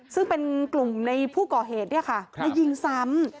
ซึ่งเป็นกลุ่มในผู้ก่อเหตุเนี่ยค่ะได้ยิงซ้ำ